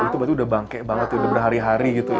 itu berarti udah bangke banget udah berhari hari gitu ya